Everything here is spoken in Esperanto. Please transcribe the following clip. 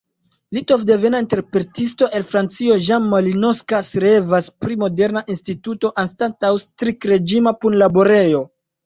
Litovdevena entreprenisto el Francio, Jean Malinauskas, revas pri moderna instituto anstataŭ striktreĝima punlaborejo.